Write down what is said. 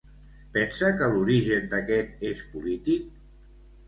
Pensa que l'origen d'aquest és polític?